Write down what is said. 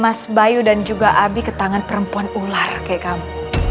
mas bayu dan juga abi ke tangan perempuan ular kayak kamu